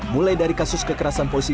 mulai dari kasus kekerasan